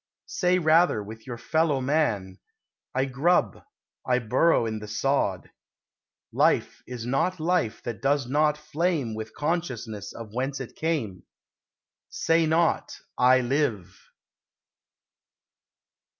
Say rather, with your fellow man, "I grub; I burrow in the sod." Life is not life that does not flame With consciousness of whence it came Say not, "I live!"